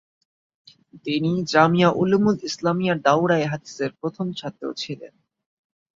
তিনি জামিয়া উলুমুল ইসলামিয়ার দাওরায়ে হাদিসের প্রথম ছাত্র ছিলেন।